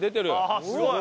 ああすごい！